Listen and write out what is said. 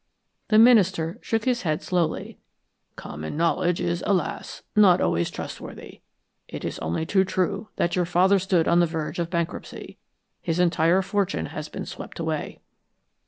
The minister shook his head slowly. "'Common knowledge' is, alas, not always trustworthy. It is only too true that your father stood on the verge of bankruptcy. His entire fortune has been swept away."